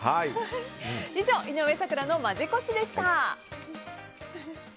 以上、井上咲楽のマジ越しでした。